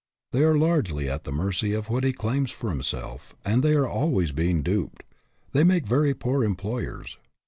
They are largely at the mercy of what he claims for himself, and they are always being duped. They make very poor employers.